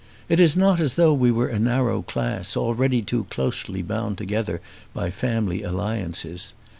It is not as though we were a narrow class, already too closely bound together by family alliances.